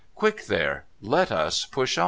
Quick there ! Let us push on